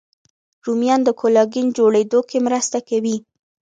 رومیان د کولاګین جوړېدو کې مرسته کوي